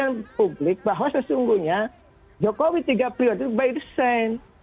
dan juga keinginan publik bahwa sesungguhnya jokowi tiga periode itu baik desain